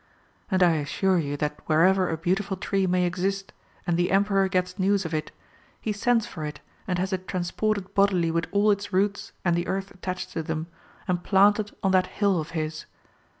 And I assure you that wherever a beautiful tree may exist, and the Emperor gets news of it, he sends for it and has it transported bodily with all its roots and the earth attached to them, and planted on that hill of his.